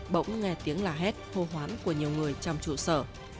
bỗng nghe tiếng la hét hô hoán của nhiều người trong trụ sở